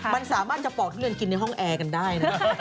มันสามารถจะปอกทุเรียนกินในห้องแอร์กันได้นะ